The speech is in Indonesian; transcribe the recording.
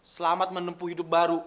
selamat menempuh hidup baru